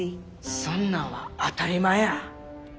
そんなんは当たり前や。